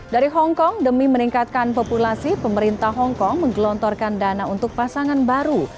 dari hongkong demi meningkatkan populasi pemerintah hongkong menggelontorkan dana untuk pasangan baru